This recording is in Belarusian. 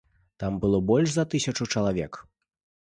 Там больш за тысячу чалавек.